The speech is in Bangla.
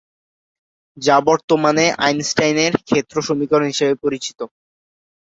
যা বর্তমানে আইনস্টাইনের ক্ষেত্র সমীকরণ হিসাবে পরিচিত।